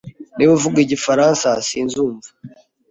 Niba uvuga igifaransa, sinzumva